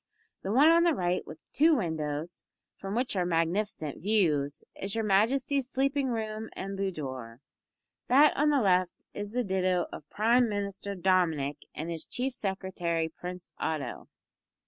The one on the right with two windows, from which are magnificent views, is your Majesty's sleeping room and boudoir; that on the left is the ditto of Prime Minister Dominick and his Chief Secretary Prince Otto.